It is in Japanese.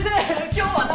今日は何？